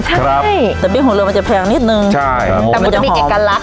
ใช่ครับแต่พี่ห่วงเรือมันจะแพงนิดหนึ่งใช่แต่มันจะมีเอกลักษณ์